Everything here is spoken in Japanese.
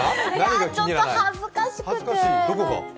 いや、ちょっと恥ずかしくて。